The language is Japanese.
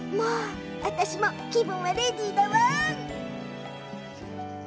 気分はレディーだわ！